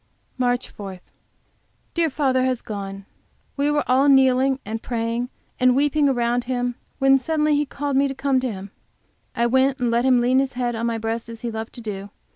MARCH 4. Dear father has gone. We were all kneeling and praying and weeping around him, when suddenly he called me to come to him. I went and let him lean his head on my breast, as he loved to do.